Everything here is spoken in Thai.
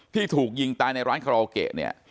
ที่ถูกยิงตายในร้านคาราโอเกะเนี่ย